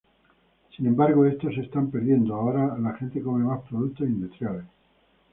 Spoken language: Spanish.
Sin embargo, estos se está perdiendo, ahora la gente come más productos industriales.